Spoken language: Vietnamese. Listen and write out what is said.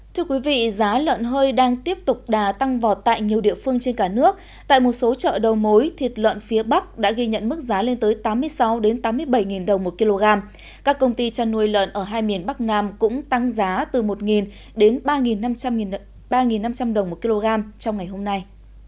thưa quý vị giá lợn hơi đang tiếp tục đà tăng vọt tại nhiều địa phương trên cả nước tại một số chợ đầu mối thịt lợn phía bắc đã ghi nhận mức giá lên tới tám mươi sáu tám mươi bảy đồng một kg các công ty chăn nuôi lợn ở hai miền bắc nam cũng tăng giá từ một đến ba năm trăm linh đồng một kg trong ngày hôm nay